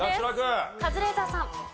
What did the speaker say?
カズレーザーさん。